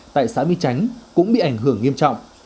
tại xã mỹ chánh cũng bị ảnh hưởng nghiêm trọng